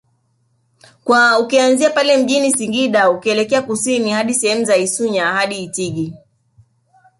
kwa ukianzia pale mjini Singida ukielekea Kusini hadi sehemu za Issuna hadi Itigi